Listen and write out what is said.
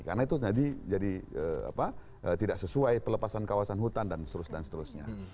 karena itu jadi tidak sesuai pelepasan kawasan hutan dan seterusnya